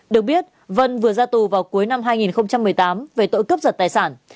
được biết vân vừa ra tù vào cuối năm hai nghìn một mươi tám về tội cướp giật tài sản